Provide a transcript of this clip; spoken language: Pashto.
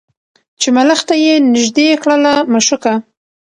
چي ملخ ته یې نیژدې کړله مشوکه